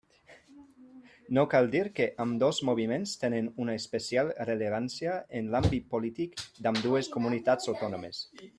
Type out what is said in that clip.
No cal dir que ambdós moviments tenen una especial rellevància en l'àmbit polític d'ambdues comunitats autònomes.